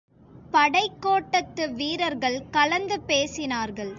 படைக்கோட்டத்து வீரர்கள் கலந்து பேசினார்கள்.